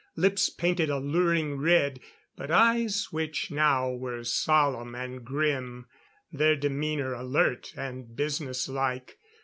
Lips painted alluring red. But eyes which now were solemn and grim. Their demeanor alert and business like.